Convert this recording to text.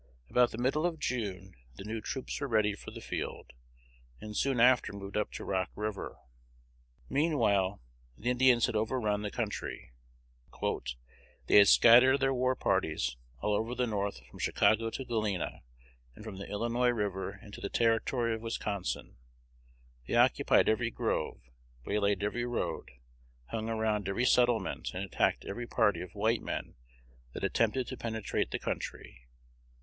About the middle of June the new troops were ready for the field, and soon after moved up to Rock River. Meanwhile the Indians had overrun the country. "They had scattered their war parties all over the North from Chicago to Galena, and from the Illinois River into the Territory of Wisconsin; they occupied every grove, waylaid every road, hung around every settlement, and attacked every party of white men that attempted to penetrate the country."